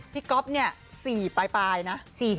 ก๊อฟเนี่ย๔ปลายนะ